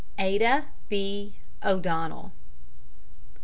ADA B. O'DONNELL.